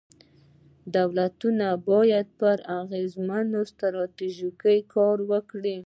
دولتونه باید پر اغېزمنو ستراتیژیو کار وکړي.